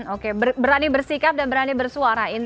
oke berani bersikap dan berani bersuara